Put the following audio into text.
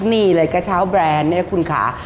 นี่เลยกระเช้าแบรนด์เนี่ยคุณค่ะ